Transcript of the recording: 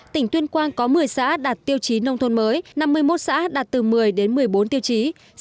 tỉnh tuyên quang có một mươi xã đạt tiêu chí nông thôn mới năm mươi một xã đạt từ một mươi đến một mươi bốn tiêu chí